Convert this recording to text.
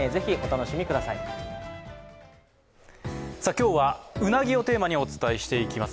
今日はうなぎをテーマにお伝えしていきます。